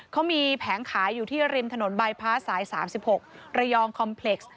เขามีแผงขายอยู่ที่ริมถนนบายพ้าสาย๓๖ระยองคอมเพล็กซ์